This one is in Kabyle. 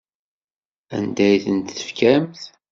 Anda ay ten-tefkamt?